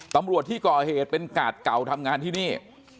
ตำรวจที่ก่อเหตุเป็นกาดเก่าทำงานที่นี่